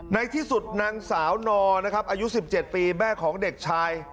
ในที่สุดนางสาวนอนะครับอายุ๑๗ปีแม่ของเด็กชาย